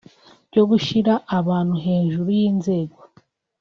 byo gushyira abantu hejuru y’inzego